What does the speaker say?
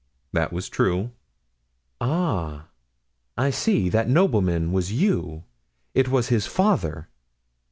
"That was true." "Ah! I see! That nobleman was you; it was his father!"